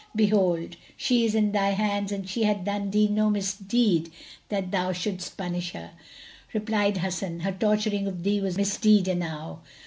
Behold, she is in thy hands and she hath done thee no misdeed that thou shouldest punish her." Replied Hasan, "Her torturing of thee was misdeed enow."